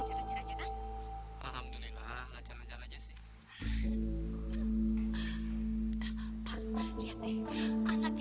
kami udah enggak punya rumah kak